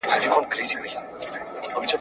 زما یقین دی چي پر خپل خالق به ګران یو `